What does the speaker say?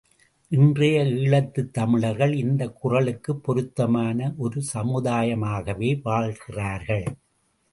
இன்றைய ஈழத்துத் தமிழர்கள் இந்தக் குறளுக்குப் பொருத்தமான ஒரு சமுதாயமாகவா வாழ்கிறார்கள்?